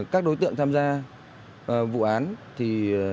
các đối tượng tham gia vụ án thì